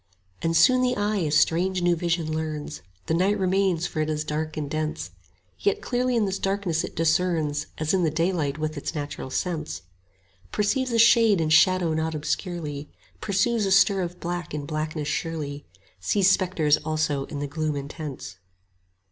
And soon the eye a strange new vision learns: The night remains for it as dark and dense, Yet clearly in this darkness it discerns 10 As in the daylight with its natural sense; Perceives a shade in shadow not obscurely, Pursues a stir of black in blackness surely, Sees spectres also in the gloom intense.